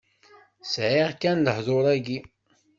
Sɛiɣ kan lehḍur-agi.